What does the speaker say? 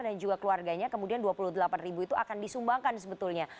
dan juga keluarganya kemudian dua puluh delapan ribu itu akan disumbangkan sebetulnya